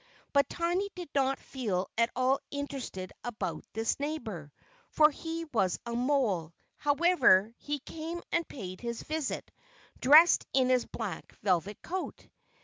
But Tiny did not feel at all interested about this neighbour, for he was a mole. However, he came and paid his visit, dressed in his black velvet coat.